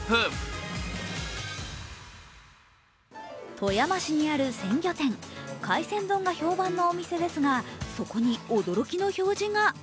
富山市にある鮮魚店海鮮丼が評判のお店ですがそこに驚きの表示が。